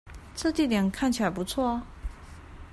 這地點看起來不錯啊